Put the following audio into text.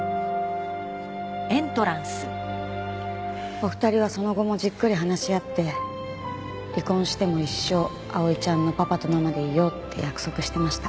お二人はその後もじっくり話し合って離婚しても一生碧唯ちゃんのパパとママでいようって約束してました。